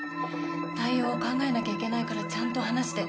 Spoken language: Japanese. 対応を考えなきゃいけないからちゃんと話して。